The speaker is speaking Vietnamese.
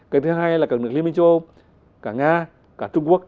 cần thứ hai là cả nước liên minh châu âu cả nga cả trung quốc